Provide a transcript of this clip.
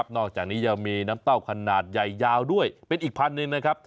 นอกจากนี้ยังมีน้ำเต้าขนาดใหญ่ยาวด้วยเป็นอีกพันหนึ่งนะครับ